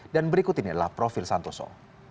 dan berikut ini adalah profil santoso